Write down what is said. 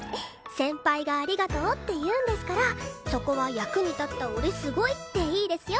先輩が「ありがとう」って言うんですからそこは「役に立った俺すごい！」でいいですよ。